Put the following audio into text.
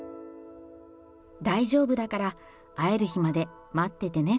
大丈夫だから、会える日まで待っててね。